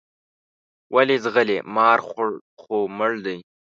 ولې ځغلې مار خو مړ دی.